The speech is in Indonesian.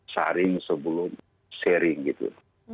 saring sebelum sharing gitu